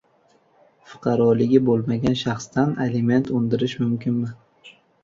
«Fuqaroligi bo`lmagan shaxsdan aliment undirish mumkinmi?»